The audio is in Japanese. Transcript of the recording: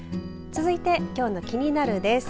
続いてきょうのキニナル！です。